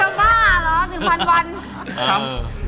บ้าเหรอ๑๐๐วัน